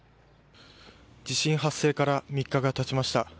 地震発生から３日が経ちました。